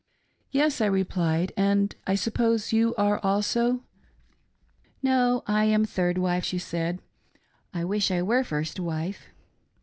" Yes," I replied, " and I suppose you are also .'"" No, I am third wife," she said, " I wish I were first wife."